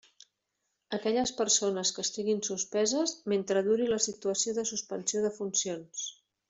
Aquelles persones que estiguin suspeses, mentre duri la situació de suspensió de funcions.